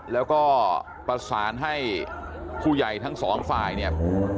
แล้วก็ประสานให้ผู้ใหญ่ทั้งสองฝ่ายเนี่ย